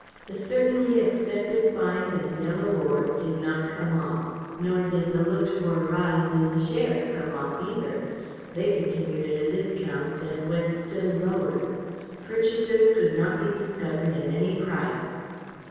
The certainly expected find of yellow ore did not come off, nor did the looked for rise in the shares come off either. They continued at a discount, and went still lower. Purchasers could not be discovered at any price.